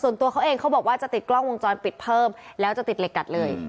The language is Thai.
ตัวเขาเองเขาบอกว่าจะติดกล้องวงจรปิดเพิ่มแล้วจะติดเหล็กกัดเลย